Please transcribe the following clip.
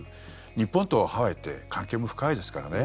日本とハワイって関係も深いですからね。